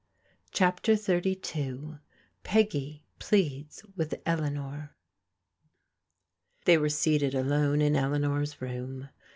CHAPTER XXXn PEGGY PLEADS WITH ELEANOR THEY were seated alone in Eleanor's room.